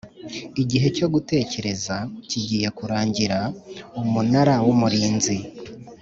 igihe cyo gutegereza kigiye kurangira Umunara w Umurinzi